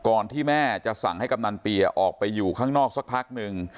ที่แม่จะสั่งให้กำนันเปียออกไปอยู่ข้างนอกสักพักหนึ่ง